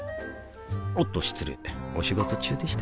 おっと失礼お仕事中でしたか